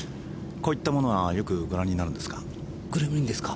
こういったものはよくご覧になるんですか？「グレムリン」ですか？